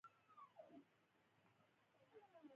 مزار شریف ته تللی وای.